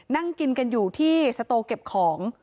นั่งกินกันอยู่ที่สโตเก็บของ